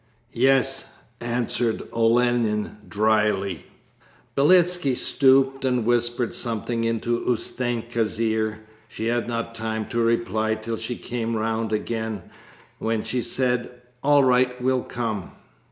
'Yes,' answered Olenin dryly. Beletski stooped and whispered something into Ustenka's ear. She had not time to reply till she came round again, when she said: 'All right, we'll come.'